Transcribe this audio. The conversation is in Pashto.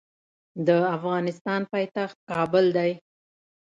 د افغانستان پایتخت کابل دی.